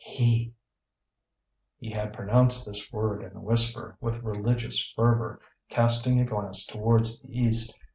"He!" He had pronounced this word in a whisper, with religious fervour, casting a glance towards the east.